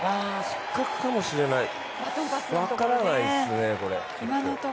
失格かもしれない、分からないっすね。